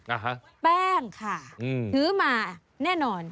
อ่าฮะแป้งค่ะถือมาแน่นอน